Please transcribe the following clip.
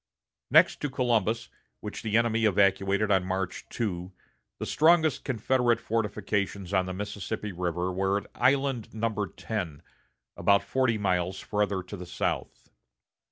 Next to Columbus, which the enemy evacuated on March 2, the strongest Confederate fortifications on the Mississippi River were at Island No. 10, about forty miles farther to the south.